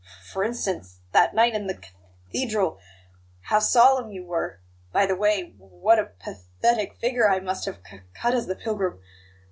F for instance, that night in the Cath thedral how solemn you were! By the way w what a path thetic figure I must have c cut as the pilgrim!